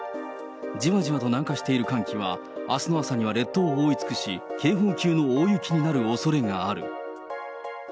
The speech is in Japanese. じわじわと南下している寒気は、あすの朝には列島を覆い尽くし、警報級の大雪になるおそれがある。